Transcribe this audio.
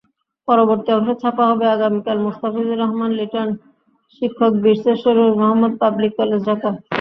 পরবর্তী অংশ ছাপা হবে আগামীকালমোস্তাফিজুর রহমান লিটন, শিক্ষকবীরশ্রেষ্ঠ নূর মোহাম্মদ পাবলিক কলেজ, ঢাকা।